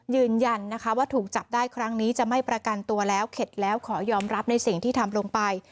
ยืนยันนะคะว่าถูกจับได้ครั้งนี้จะไม่ประกันตัวแล้วเข็ดแล้วขอยอมรับในสิ่งที่ทำลงไป